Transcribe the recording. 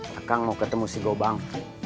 belakang mau ketemu si gobang